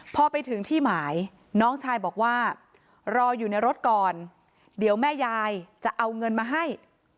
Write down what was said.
พอไปถึงที่หมายน้องชายบอกว่ารออยู่ในรถก่อนเดี๋ยวแม่ยายจะเอาเงินมาให้